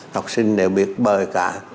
học sinh đều biết bơi cả